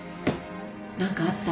何かあった？